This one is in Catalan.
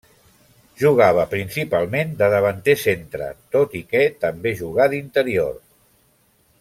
Jugava principalment de davanter centre, tot i que també jugà d'interior.